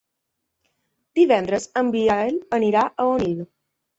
Divendres en Biel anirà a Onil.